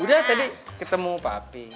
udah tadi ketemu pak